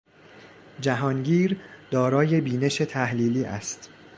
جهانگیر دارای بینش تحلیلی است.